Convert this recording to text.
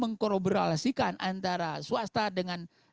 mengkolaborasikan antara swasta dengan